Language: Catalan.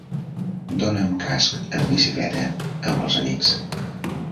Dona amb casc en bicicleta amb els amics